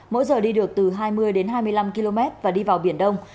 mỗi giờ đi được từ hai mươi hai mươi năm km và đi vào biển đông